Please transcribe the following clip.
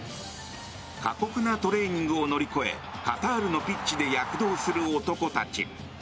過酷なトレーニングを乗り越えカタールのピッチで躍動する男たち。